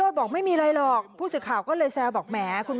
จะลืมปากกาของตรงนั้นแหละครับ